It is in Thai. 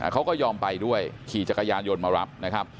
เขาก็ยอมไปด้วยขี่จักรยานยนต์มารับนะครับ